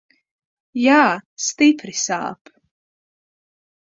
Jā, stipri sāp.